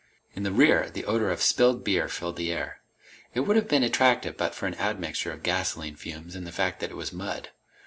In the rear, the odor of spilled beer filled the air. It would have been attractive but for an admixture of gasoline fumes and the fact that it was mud.